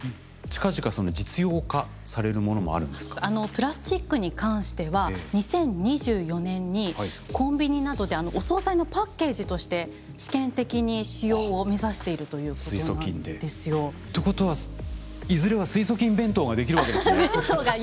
プラスチックに関しては２０２４年にコンビニなどでお総菜のパッケージとして試験的に使用を目指しているということなんですよ。ということはいずれは水素菌弁当が出来るわけですね。